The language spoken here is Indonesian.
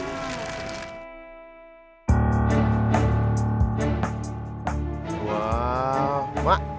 mak kayak toko mas berjalan mak